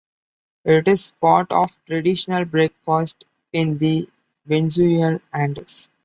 It is part of traditional breakfasts in the Venezuelan Andes.